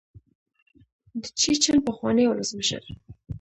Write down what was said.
د چیچن پخواني ولسمشر.